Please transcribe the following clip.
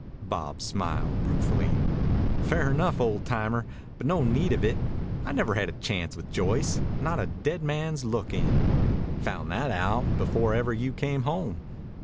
Bob smiled, ruefully. "Fair enough, old timer. But no need of it. I never had a chance with Joyce, not a dead man's look in. Found that out before ever you came home.